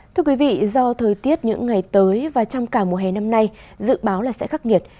thưa quý vị do thời tiết những ngày tới và trong cả mùa hè năm nay dự báo là sẽ khắc nghiệt